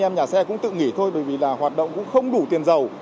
em nhà xe cũng tự nghỉ thôi bởi vì là hoạt động cũng không đủ tiền giàu